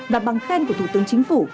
và bằng khen của thủ tướng chính phủ